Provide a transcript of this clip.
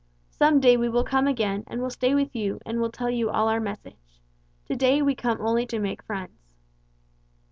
Some day we will come again and will stay with you and will tell you all our message. To day we come only to make friends."